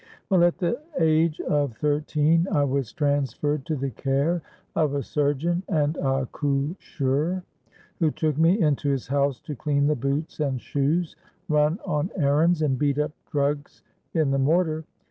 Well, at the age of thirteen I was transferred to the care of a surgeon and accoucheur, who took me into his house to clean the boots and shoes, run on errands, and beat up drugs in the mortar.